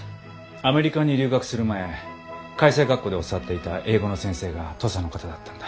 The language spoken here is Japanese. アメリカに留学する前開成学校で教わっていた英語の先生が土佐の方だったんだ。